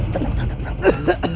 tenang tenang tenang